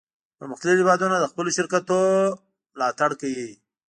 پرمختللي هیوادونه د خپلو شرکتونو ملاتړ کوي